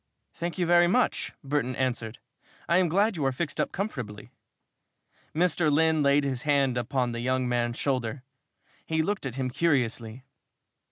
"Thank you very much," Burton answered. "I am glad you are fixed up comfortably." Mr. Lynn laid his hand upon the young man's shoulder. He looked at him curiously.